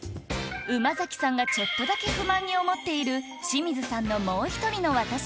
馬さんがちょっとだけ不満に思っている清水さんの「もうひとりのワタシ。」